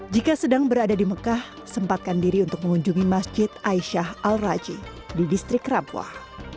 jika sedang berada di mekah sempatkan diri untuk mengunjungi masjid aisyah al raji di distrik rabwah